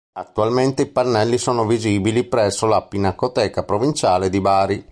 Attualmente i pannelli sono visibili presso la Pinacoteca provinciale di Bari.